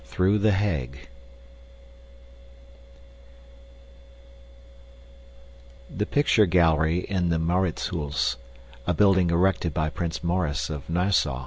Through the Hague The picture gallery in the Maurits Huis, *{A building erected by Prince Maurice of Nassau.